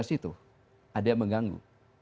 empat sebelas itu ada yang mengganggu